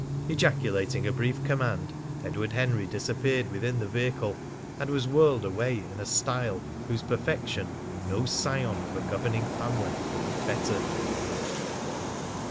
Ejaculating a brief command, Edward Henry disappeared within the vehicle, and was whirled away in a style whose perfection no scion of a governing family could have bettered.